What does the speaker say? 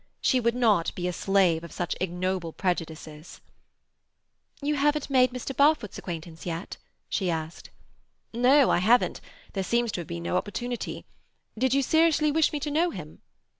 She would not be a slave of such ignoble prejudices. "You haven't made Mr. Barfoot's acquaintance yet?" she asked. "No, I haven't. There seems to have been no opportunity. Did you seriously wish me to know him?"